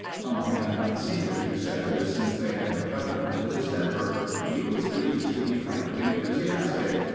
Tom had not seen the two setters since they had recovered from the distemper, and he was pleased to be frankly enthusiastic.